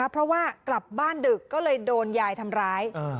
เพราะว่ากลับบ้านดึกก็เลยโดนยายทำร้าย